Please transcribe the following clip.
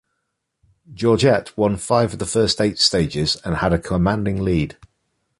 Georget won five of the first eight stages, and had a commanding lead.